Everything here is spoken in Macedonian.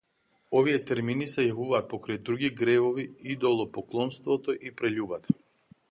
Овие термини се јавуваат покрај други гревови идолопоклонството и прељубата.